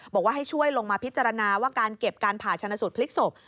บอกว่าให้ช่วยลงมาพิจารณาว่าการเก็บการผ่าชนะสูตรพลิกศพ